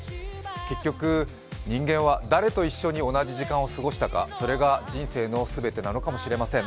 結局人間は誰と一緒に同じ時間を過ごしたのか、それが人生かもしれません。